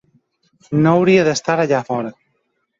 No hauria d'estar allà fora.